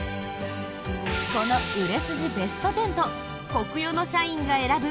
この売れ筋ベスト１０とコクヨの社員が選ぶ